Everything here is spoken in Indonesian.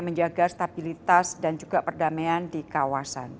menjaga stabilitas dan juga perdamaian di kawasan